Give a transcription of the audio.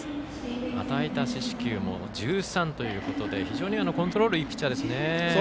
与えた四死球も１３ということで非常にコントロールがいいピッチャーですね。